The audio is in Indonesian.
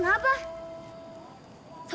ada apaan sih